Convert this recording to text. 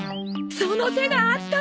その手があったか！